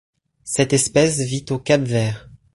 Cette espèce vit au Cap-Vert.